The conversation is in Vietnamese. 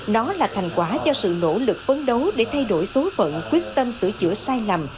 nó là thành quả cho sự nỗ lực phấn đấu để thay đổi số phận quyết tâm sửa chữa sai lầm